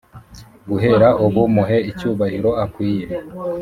guhera ubu muhe icyubahiro akwiye